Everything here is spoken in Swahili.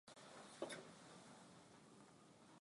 kutoka nairobi kenya ni amboka andere